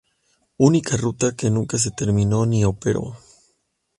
Única ruta que nunca se terminó ni operó.